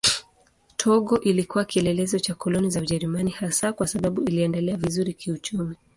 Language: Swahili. Togo ilikuwa kielelezo cha koloni za Ujerumani hasa kwa sababu iliendelea vizuri kiuchumi.